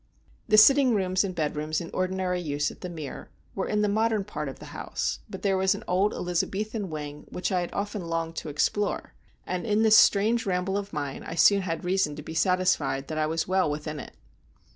The sitting rooms and bedrooms in ordinary use at The Mere were in the modern part of the house; but there was an old Elizabethan wing which I had often longed to explore, and in this strange ramble of mine I soon had reason to be satisfied that I was well within it.